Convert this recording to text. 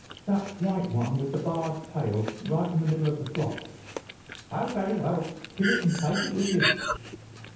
"'That white one with the barred tail, right in the middle of the flock.' "'Oh, very well. Kill it and take it with you.